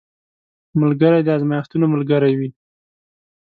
ملګری د ازمېښتو ملګری وي